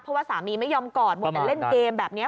เพราะว่าสามีไม่ยอมกอดมัวแต่เล่นเกมแบบนี้